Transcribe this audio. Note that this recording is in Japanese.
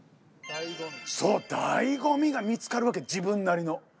そう醍醐味が見つかるわけ自分なりの。